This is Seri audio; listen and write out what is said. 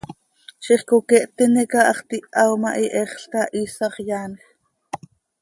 Ziix coqueht tintica hax tiha ma, ihexl cah, iisax yaanj.